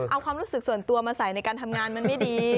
เอาความรู้สึกส่วนตัวมาใส่ในการทำงานมันไม่ดี